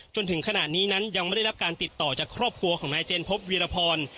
จนถึงขณะนี้นั้นยังไม่ได้รับการติดต่อจากครอบครัวของนายเจนพบวีรพร